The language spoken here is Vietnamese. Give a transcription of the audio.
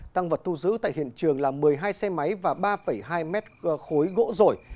tăng vật thu giữ tại hiện trường là một mươi hai xe máy và ba hai mét khối gỗ rồi